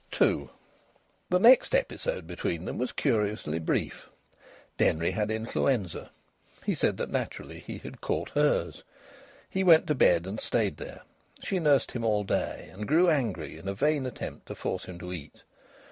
II The next episode between them was curiously brief. Denry had influenza. He said that naturally he had caught hers. He went to bed and stayed there. She nursed him all day, and grew angry in a vain attempt to force him to eat.